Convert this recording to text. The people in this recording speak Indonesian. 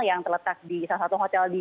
yang terletak di salah satu hotel di